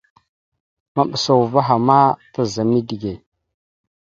Maɓəsa uvah a ma taza midǝge.